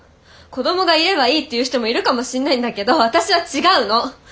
子どもがいればいいっていう人もいるかもしんないんだけど私は違うの！